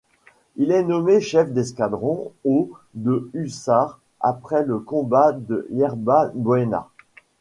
Il est nommé chef d'escadron au de hussards après le combat de Yerba-Buena.